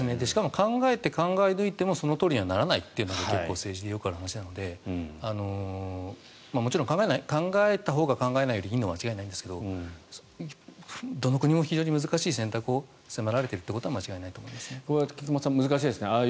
しかも考えて考え抜いてもそのとおりにならないというのは結構、政治でよくある話なのでもちろん考えたほうが考えないよりもいいのは間違いないのですがどの国も非常に難しい選択を迫られているということは間違いないと思いますね。